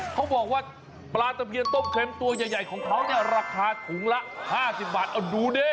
เขาบอกว่าปลาตะเพียนต้มเค็มตัวใหญ่ของเขาเนี่ยราคาถุงละ๕๐บาทเอาดูดิ